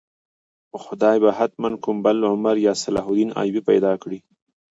خدای به حتماً کوم بل عمر یا صلاح الدین ایوبي پیدا کړي.